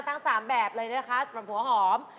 ทั้ง๓แบบเลยนะคะหัวหอม